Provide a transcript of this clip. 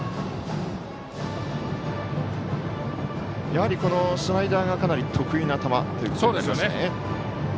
やはり、スライダーがかなり得意な球ということですね。